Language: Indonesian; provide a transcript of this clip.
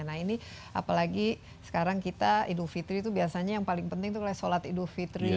nah ini apalagi sekarang kita idul fitri itu biasanya yang paling penting itu sholat idul fitri